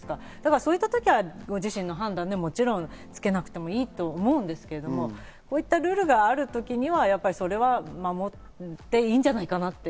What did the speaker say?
そういった時はご自身の判断でもちろんつけなくてもいいと思うんですけど、こういったルールがある時には、それは守っていいんじゃないかなって。